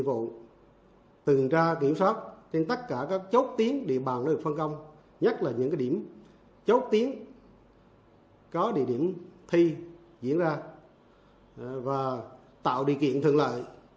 và tạo điều kiện thường lại